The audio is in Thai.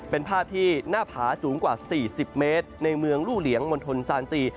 เป็นภาพที่หน้าผาสูงกว่า๔๐เมตรในเมืองลู่เหลียงมณฑลซานซี